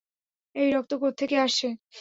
এই রক্ত কোত্থেকে আসছে?